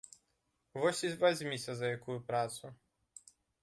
Вось і вазьміся за якую працу.